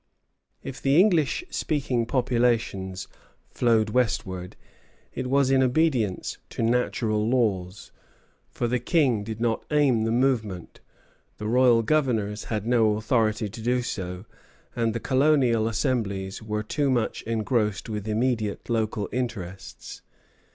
If the English speaking populations flowed westward, it was in obedience to natural laws, for the King did not aid the movement, the royal governors had no authority to do so, and the colonial assemblies were too much engrossed with immediate local interests.